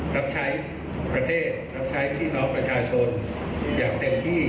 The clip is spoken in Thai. รับใช้ประเทศรับใช้พี่น้องประชาชนอย่างเต็มที่